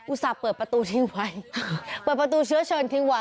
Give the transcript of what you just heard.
ส่าห์เปิดประตูทิ้งไว้เปิดประตูเชื้อเชิญทิ้งไว้